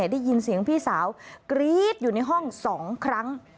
ได้ยินเสียงพี่สาวกรี๊ดอยู่ในห้อง๒ครั้ง